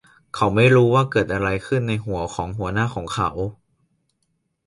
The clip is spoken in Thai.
เขาไม่รู้ว่าเกิดอะไรขึ้นในหัวของหัวหน้าของเขา